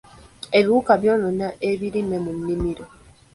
Ebiwuka byonoona ebirime mu nnimiro.